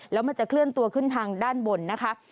แล้วมันจะเคลื่อนตัวขึ้นทางด้านบนนะคะ